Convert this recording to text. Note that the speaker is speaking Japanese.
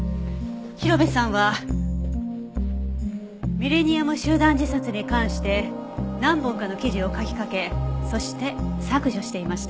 広辺さんはミレニアム集団自殺に関して何本かの記事を書きかけそして削除していました。